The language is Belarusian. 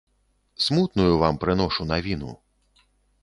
Смутную вам прыношу навіну.